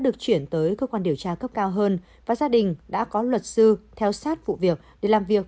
được chuyển tới cơ quan điều tra cấp cao hơn và gia đình đã có luật sư theo sát vụ việc để làm việc